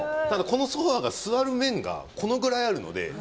ただこのソファが座る面がこのぐらいあるので。